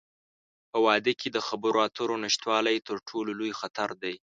په واده کې د خبرو اترو نشتوالی، تر ټولو لوی خطر دی.